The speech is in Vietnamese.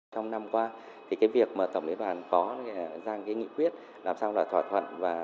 trong năm qua việc tổng lý bản có ra nghị quyết làm sao là thỏa thuận